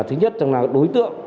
thứ nhất là đối tượng